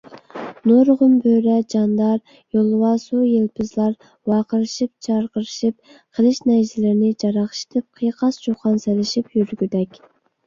نۇرغۇن بۆرە، جاندار، يولۋاسۇيىلپىزلار ۋاقىرىشىپ - جارقىرىشىپ، قىلىچ - نەيزىلىرىنى جاراقشىتىپ، قىيقاس - چۇقان سېلىشىپ يۈرگۈدەك.